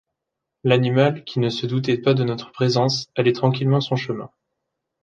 L'animal, qui ne se doutait pas de notre présence, allait tranquillement son chemin.